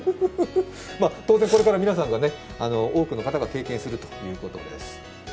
当然これから多くの方が経験するということです。